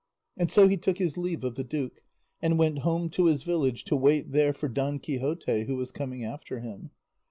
And so he took his leave of the duke, and went home to his village to wait there for Don Quixote, who was coming after him.